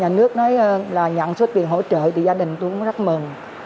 nhà nước nói là nhận số tiền hỗ trợ thì gia đình tôi cũng rất mừng